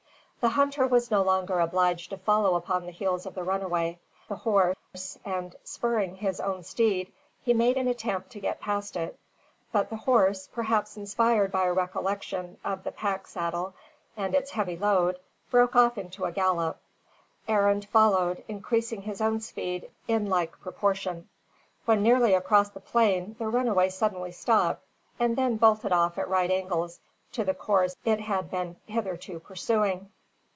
The hunter was no longer obliged to follow upon the heels of the runaway, the horse; and spurring his own steed, he made an attempt to get past it. But the horse, perhaps inspired by a recollection of the pack saddle and its heavy load, broke off into a gallop. Arend followed, increasing his own speed in like proportion. When nearly across the plain, the runaway suddenly stopped and then bolted off at right angles to the course it had been hitherto pursuing.